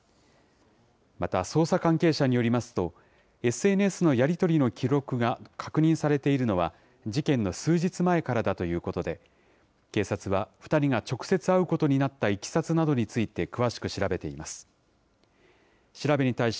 また捜査関係者によりますと、ＳＮＳのやり取りの記録が確認されているのは、事件の数日前からだということで、警察は、２人が直接会うことになったいきさつなどについて詳しく調べています。